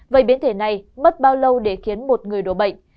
vậy biến thể này mất bao lâu để khiến một người đổ bệnh